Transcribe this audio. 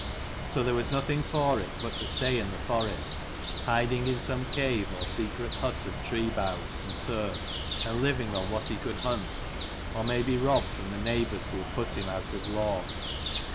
So there was nothing for it but to stay in the forests, hiding in some cave or secret hut of tree boughs and turf, and living on what he could hunt, or maybe rob from the neighbours who had put him out of law.